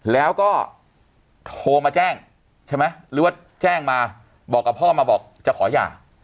แล้วก็โทรมาแจ้งใช่ไหมหรือว่าแจ้งมาบอกกับพ่อมาบอกจะขอหย่า